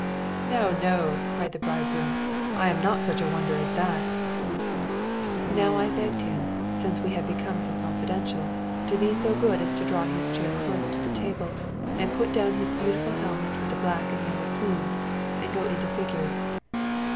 "No, no!" cried the bridegroom, "I am not such a wonder as that!" I now begged him, since we had become so confidential, to be so good as to draw his chair close to the table and put down his beautiful helmet with the black and yellow plumes and go into figures.